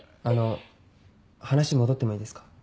あの話戻ってもいいですか？